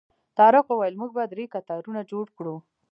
طارق وویل موږ به درې کتارونه جوړ کړو.